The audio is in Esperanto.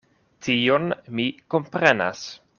Tion mi komprenas.